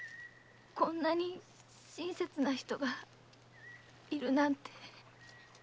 こんなに親切な人がいるなんて。